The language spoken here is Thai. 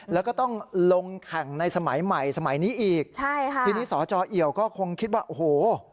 แล้วก็ต้องลงแข่งในสมัยใหม่สมัยนี้อีกใช่ค่ะทีนี้สจเอี่ยวก็คงคิดว่าโอ้โห